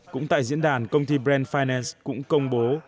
cũng tại diễn đàn công ty brand finance cũng công bố